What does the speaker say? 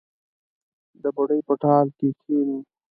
د بوډۍ په ټال کې کښېنو